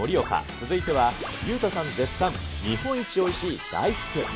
続いては、裕太さん絶賛、日本一おいしい大福。